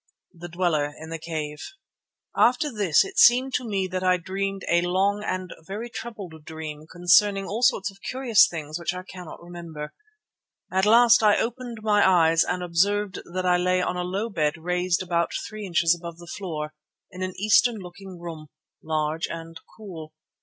THE DWELLER IN THE CAVE After this it seemed to me that I dreamed a long and very troubled dream concerning all sorts of curious things which I cannot remember. At last I opened my eyes and observed that I lay on a low bed raised about three inches above the floor, in an Eastern looking room, large and cool.